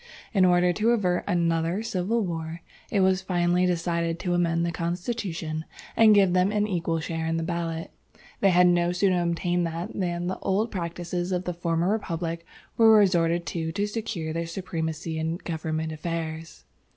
In order to avert another civil war, it was finally decided to amend the constitution, and give them an equal share in the ballot. They had no sooner obtained that than the old practices of the former Republic were resorted to to secure their supremacy in government affairs.